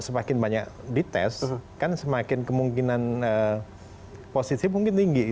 semakin banyak dites kan semakin kemungkinan positif mungkin tinggi